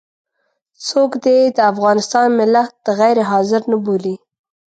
څوک دې د افغانستان ملت غير حاضر نه بولي.